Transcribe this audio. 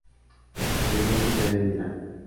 Tenía su sede en Milán.